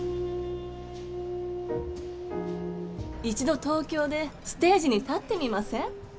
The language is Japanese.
一度東京でステージに立ってみません？